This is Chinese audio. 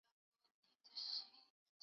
扶南的首都位于此处。